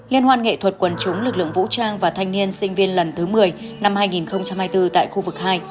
liên hoan nghệ thuật quần chúng lực lượng vũ trang và thanh niên sinh viên lần thứ một mươi năm hai nghìn hai mươi bốn tại khu vực hai